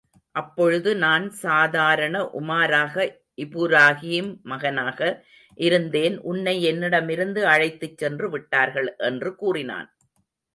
அப்பொழுது, நான் சாதாரண உமாராக, இபுராகீம் மகனாக இருந்தேன் உன்னை என்னிடமிருந்து அழைத்துச் சென்று விட்டார்கள். என்று கூறினான்.